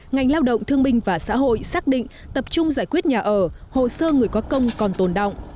ngành lao động thương minh và xã hội xác định tập trung giải quyết nhà ở hồ sơ người có công còn tồn động